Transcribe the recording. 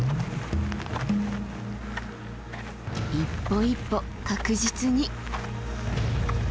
一歩一歩確実に。